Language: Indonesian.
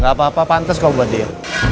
gak apa apa pantes kamu buat dia